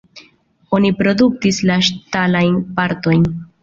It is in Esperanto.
Oni produktis la ŝtalajn partojn.